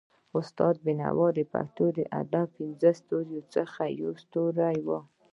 استاد بينوا د پښتو ادب د پنځو ستورو څخه يو ستوری وو.